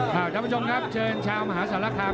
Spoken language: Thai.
ท่านผู้ชมครับเชิญชาวมหาสารคาม